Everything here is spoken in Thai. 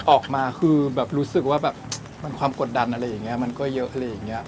ออกมาคือแบบรู้สึกว่าแบบมันความกดดันอะไรอย่างนี้มันก็เยอะอะไรอย่างนี้